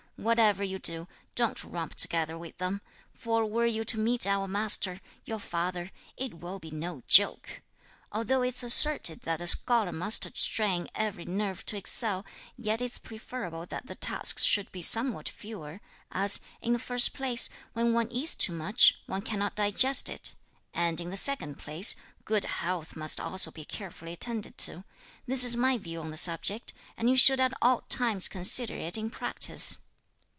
Whatever you do, don't romp together with them, for were you to meet our master, your father, it will be no joke! Although it's asserted that a scholar must strain every nerve to excel, yet it's preferable that the tasks should be somewhat fewer, as, in the first place, when one eats too much, one cannot digest it; and, in the second place, good health must also be carefully attended to. This is my view on the subject, and you should at all times consider it in practice."